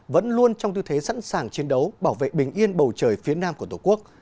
vẫn luôn trong tư thế sẵn sàng chiến đấu bảo vệ bình yên bầu trời phía nam của tổ quốc